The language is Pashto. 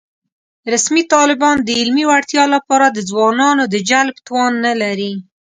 رسمي طالبان د علمي وړتیا له پاره د ځوانانو د جلب توان نه لري